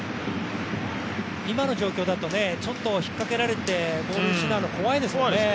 今の状況だとちょっと引っかけられてボールを失うのは怖いですもんね。